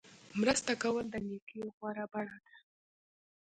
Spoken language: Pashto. مرسته کول د نیکۍ غوره بڼه ده.